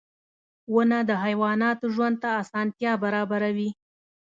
• ونه د حیواناتو ژوند ته اسانتیا برابروي.